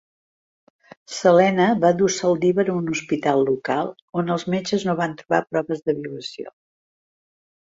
Selena va dur Saldivar a un hospital local, on els metges no van trobar proves de violació.